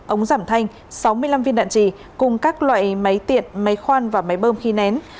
ống giảm thanh sáu mươi năm viên đạn trì cùng các loại máy tiện máy khoan và máy bơm khí nén